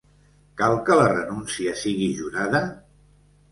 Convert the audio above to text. Cal que la renúncia sigui jurada?